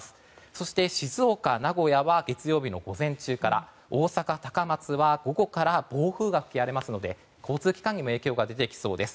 そして静岡、名古屋は月曜日の午前中から大阪、高松は午後から暴風が吹き荒れますので交通機関にも影響が出てきそうです。